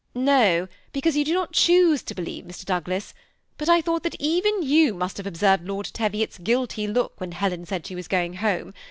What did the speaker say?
"No, because you do not choose to believe, Mr. Douglas ; but I thought that even you must have ob served Lord Teviot's guilty look when Helen said she was going home.